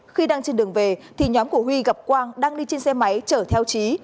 khi đang trên đường về thì nhóm của huy gặp quang đang đi trên xe máy chở theo trí